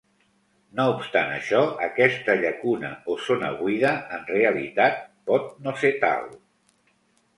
No obstant això aquesta llacuna o zona buida en realitat pot no ser tal.